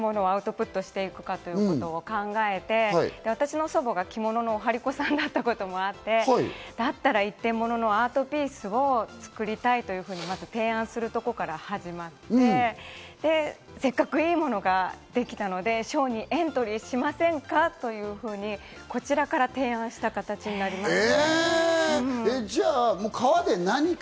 そこからどういったものをアウトプットしていくかっていうことを考えて、私の祖母が着物の針子さんだったこともあって、だったら一点もののアートピースを作りたいというふうにまず、提案するところから始まって、せっかく良いものができたので賞にエントリーしませんか？というふうに、こちらから提案した形になります。